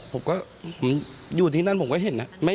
พกอ่ะอยู่ที่นั่นผมก็เห็นนะ